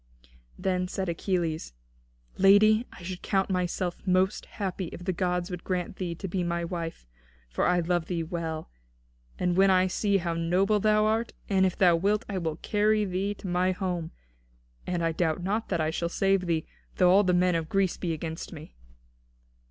Then said Achilles: "Lady, I should count myself most happy if the gods would grant thee to be my wife. For I love thee well, when I see thee how noble thou art. And if thou wilt, I will carry thee to my home. And I doubt not that I shall save thee, though all the men of Greece be against me."